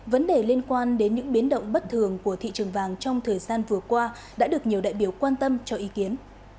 vấn đề liên quan đến những biến động bất thường của thị trường vàng trong thời gian vừa qua đã được nhiều đại biểu quan tâm cho ý kiến